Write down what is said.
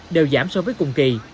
đều giảm so với cùng kỳ